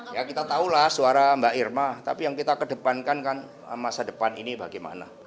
ya kita tahulah suara mbak irma tapi yang kita kedepankan kan masa depan ini bagaimana